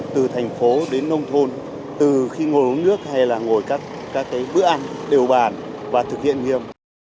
từ thành phố đến nông thôn từ khi ngồi uống nước hay là ngồi các bữa ăn đều bàn và thực hiện nghiêm